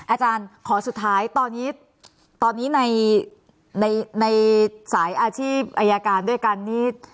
อาจารย์ขอสุดท้ายตอนนี้ในสายอาชีพอายการด้วยกันนี่